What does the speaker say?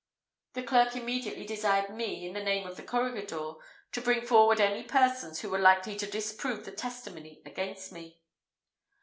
The clerk immediately desired me, in the name of the corregidor, to bring forward any persons who were likely to disprove the testimony against me.